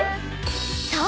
［そう！